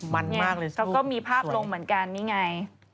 มันมากเลยสมมุติสวยเขาก็มีภาพลงเหมือนกันนี่ไง